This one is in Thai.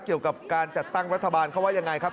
เกี่ยวกับการจัดตั้งรัฐบาลเขาว่ายังไงครับ